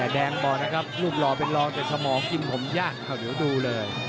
แดงบอกนะครับรูปหล่อเป็นรองแต่สมองกินผมยากเดี๋ยวดูเลย